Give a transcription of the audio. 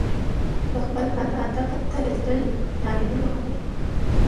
د خپل هدف ته رسېدل یو نه هېریدونکی خوند لري.